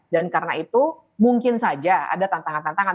dan karena itu mungkin saja ada tantangan tantangan